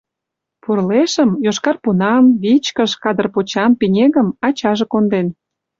Пурлешым — йошкар пунан, вичкыж, кадыр почан пинегым — ачаже конден.